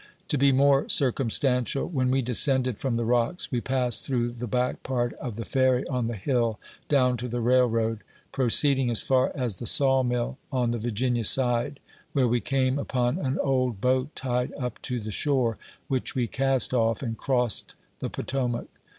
To be more circumstantial: when we descended from the rocks, we passed through the back part of the Ferry on the hill, down to the railroad, proceeding as far as the saw mill on the Virginia side, where we came upon an old boat tied up to the shore, which we cast off, and crossed the Potomac.